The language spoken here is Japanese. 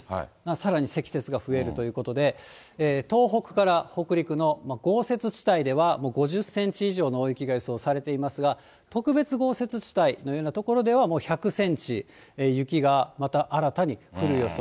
さらに積雪が増えるということで、東北から北陸の豪雪地帯では５０センチ以上の大雪が予想されていますが、特別豪雪地帯のような所では、もう１００センチ、雪がまた新たに降る予想。